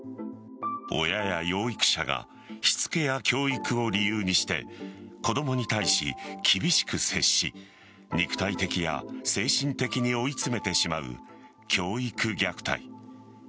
親や養育者がしつけや教育を理由にして子供に対し厳しく接し肉体的や精神的に追い詰めてしまう教育虐待。